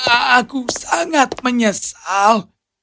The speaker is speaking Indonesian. aku sangat menyesal